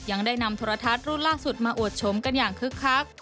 ยังได้นำโทรทัศน์รุ่นล่าสุดมาอวดชมกันอย่างคึกคัก